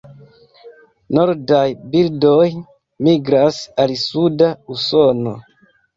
Nordaj birdoj migras al suda Usono.